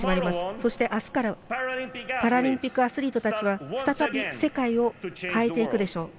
そして、あすからパラリンピックアスリートたちは再び世界を変えていくでしょう。